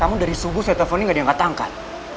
kamu dari subuh saya teleponnya gak ada yang ngga tangkal